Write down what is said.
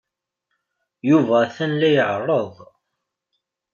Yuba atan la iɛerreḍ